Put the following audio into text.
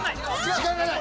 時間がない！